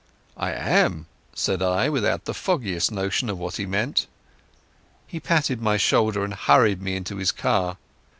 "I am," said I, without the foggiest notion of what he meant. He patted my shoulder and hurried me into his car.